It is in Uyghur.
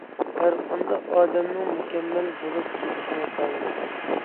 ھەرقانداق ئادەمنىڭ مۇكەممەل بولۇپ كېتىشى ناتايىن.